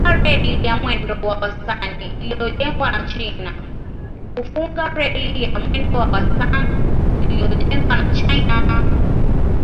Kufunga reli ya mwendo wa wastan iliyojengwa na China